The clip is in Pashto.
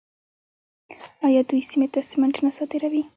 آیا دوی سیمې ته سمنټ نه صادروي؟